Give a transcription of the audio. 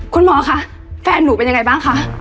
คุณหมอคะแฟนหนูเป็นยังไงบ้างคะ